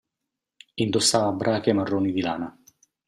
Indossava brache marroni di lana.